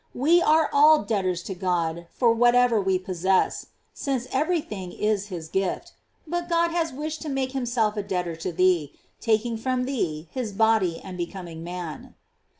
We are all debtors to God for whatever we possess, since every thing is his gift; but God has wished to make himself a debtor to thee, taking from thee his body and becoming man.